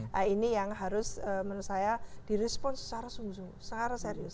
nah ini yang harus menurut saya di respon secara sungguh sungguh secara serius